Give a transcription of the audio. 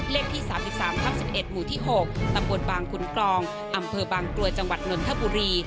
เลขที่๓๓ทับ๑๑หมู่ที่๖ตำบลบางขุนกรองอำเภอบางกลวยจังหวัดนนทบุรี